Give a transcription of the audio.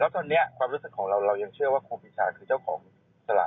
แล้วตอนนี้ความรู้สึกของเรายังเชื่อว่าครูมิชาว่าเคราะห์คือเจ้าของตลาดใช่มั้ย